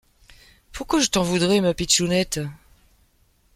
Pourquoi je t’en voudrais, ma pitchounette ?